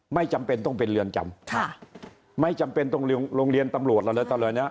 ไม่จำเป็นต้องเป็นเรือนจำค่ะไม่จำเป็นต้องโรงเรียนตำรวจอะไรต่อเลยนะ